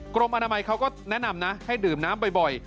กรมอนามัยเขาก็แนะนำนะให้ดื่มน้ำบ่อย